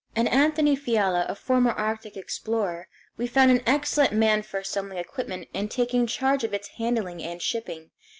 In Anthony Fiala, a former arctic explorer, we found an excellent man for assembling equipment and taking charge of its handling and shipment.